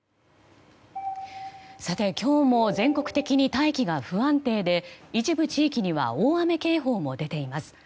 今日も全国的に大気が不安定で一部地域には大雨警報も出ています。